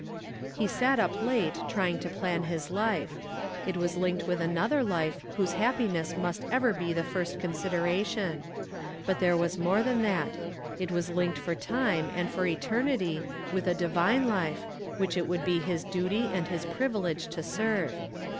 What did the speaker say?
He sat up late trying to plan his life. It was linked with another life whose happiness must ever he his first consideration. But there was more than that; it was linked for time and for eternity with a divine life which it would be his duty and his privilege to serve.